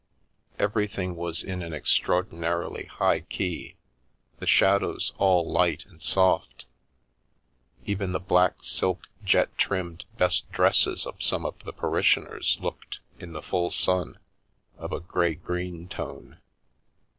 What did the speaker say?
Everything was in an extraordinarily high key, the shadows all light and soft, even the black silk jet trimmed " best dresses " of some of the parishioners looked, in the full sun, of a grey green tone.